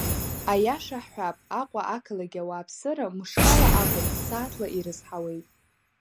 Аиаша ҳҳәап, Аҟәа ақалақь ауааԥсыра мышкала акәым сааҭла ирызҳауеит.